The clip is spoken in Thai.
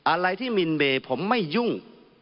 อะไรที่มีเมฆผมไม่ยุ่ง